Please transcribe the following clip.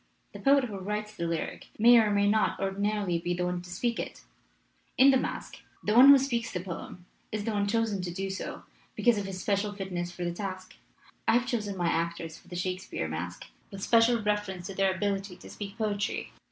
The poet who writes the lyric may or may not ordinarily be the one to speak it. In the masque the one who speaks the poem is the one chosen to do so because of his special fitness for the task. I have 308 MASQUE AND DEMOCRACY chosen my actors for the Shakespeare masque with special reference to their ability to speak poetry."